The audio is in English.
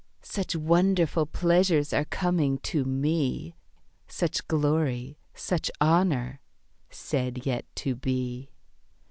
"Such wonderful pleasures are coming to me, Such glory, such honour," said Yet to be.